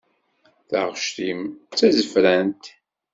Taɣect-im d tazefrant.